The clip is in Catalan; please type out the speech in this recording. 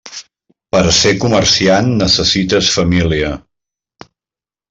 Per a ser comerciant necessites família.